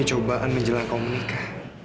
ini cobaan menjelang kamu menikah